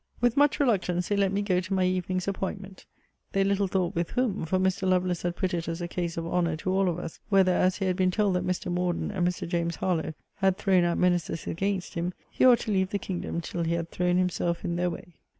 With much reluctance they let me go to my evening's appointment: they little thought with whom: for Mr. Lovelace had put it as a case of honour to all of us, whether, as he had been told that Mr. Morden and Mr. James Harlowe had thrown out menaces against him, he ought to leave the kingdom till he had thrown himself in their way.